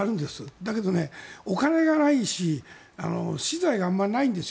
だけどお金がないし資材があまりないんですよ。